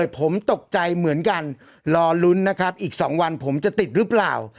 ผมตกใจเหมือนกันรอลุ้นนะครับอีก๒วันผมจะติดหรือเปล่า